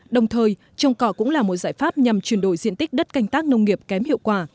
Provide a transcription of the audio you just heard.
đồng thời trồng cỏ cũng là một giải pháp nhằm chuyển đổi diện tích đất canh tác nông nghiệp kém hiệu quả